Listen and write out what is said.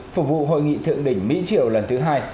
phục vụ hội nghị thượng đỉnh mỹ triều lần thứ hai